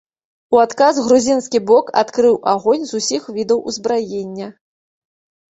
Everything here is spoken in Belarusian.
У адказ грузінскі бок адкрыў агонь з усіх відаў узбраення.